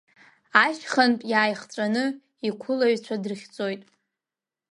Ашьхантә иааихҵәаны ақәылаҩцәа дрыхьӡоит.